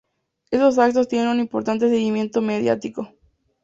Estos actos tienen un importante seguimiento mediático.